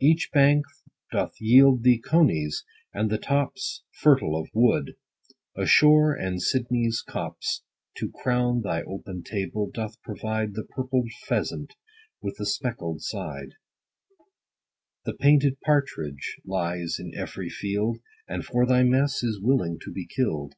Each bank doth yield thee conies ; and the tops Fertile of wood, Ashore and Sydneys copp's, To crown thy open table, doth provide The purpled pheasant, with the speckled side : The painted partridge lies in ev'ry field, And for thy mess is willing to be kill'd.